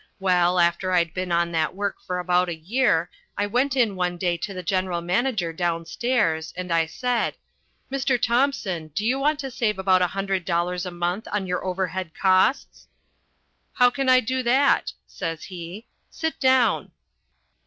Well, after I'd been on that work for about a year, I went in one day to the general manager downstairs, and I said, "Mr. Thompson, do you want to save about a hundred dollars a month on your overhead costs?" "How can I do that?" says he. "Sit down."